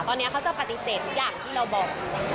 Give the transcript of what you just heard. ตอนนี้เขาจะปฏิเสธทุกอย่างที่เราบอก